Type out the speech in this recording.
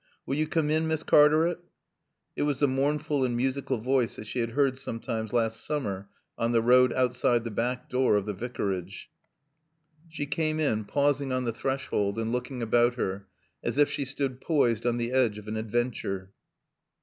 "Will you coom in, Miss Cartaret?" It was the mournful and musical voice that she had heard sometimes last summer on the road outside the back door of the Vicarage. She came in, pausing on the threshold and looking about her, as if she stood poised on the edge of an adventure.